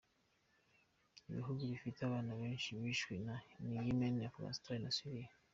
Ibihugu bifite abana benshi bishwe ni Ymen, Afghanistan na Syria.